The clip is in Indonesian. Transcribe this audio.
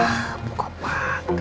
eh dah buka pager lama